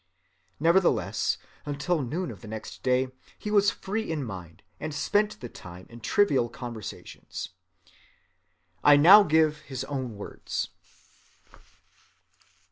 Nevertheless, until noon of the next day he was free in mind and spent the time in trivial conversations. I now give his own words.